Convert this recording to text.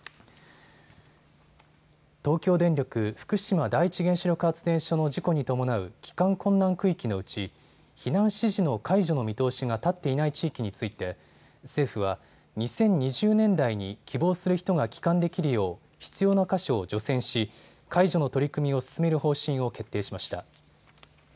東京電力福島第一原子力発電所の事故に伴う帰還困難区域のうち避難指示の解除の見通しが立っていない地域について政府は２０２０年代に希望する人が帰還できるよう必要な箇所を除染し解除の取り組みを進める方針を決定しました。